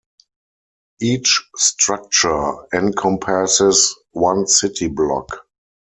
Each structure encompasses one city block.